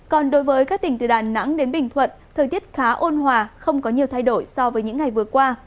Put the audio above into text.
còn đối với các tỉnh từ đà nẵng đến bình thuận thời tiết khá ôn hòa không có nhiều thay đổi so với những ngày vừa qua